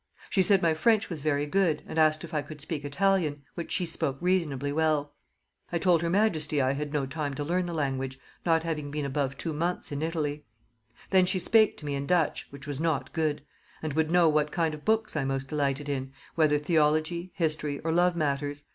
She said my French was very good, and asked if I could speak Italian, which she spoke reasonably well. I told her majesty I had no time to learn the language, not having been above two months in Italy. Then she spake to me in Dutch, which was not good; and would know what kind of books I most delighted in, whether theology, history, or love matters?